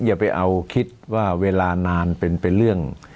อย่าไปเอาคิดว่าเวลานานเป็นเรื่อง